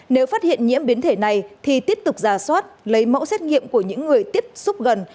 nếu phát hiện nhiễm biến thể này thì tiếp tục giả soát lấy mẫu xét nghiệm của những người tiếp xúc gần